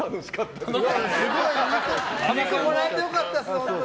肉もらえて良かったです。